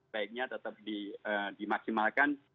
baiknya tetap dimaksimalkan